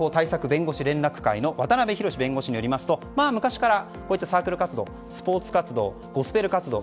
弁護士連絡会の渡辺博弁護士によりますと昔からこういったサークル活動スポーツ活動、ゴスペル活動